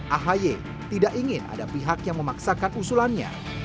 ahy tidak ingin ada pihak yang memaksakan usulannya